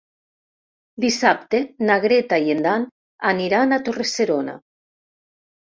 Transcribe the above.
Dissabte na Greta i en Dan aniran a Torre-serona.